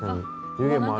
湯気もある。